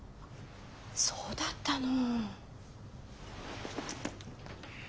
そうだったの。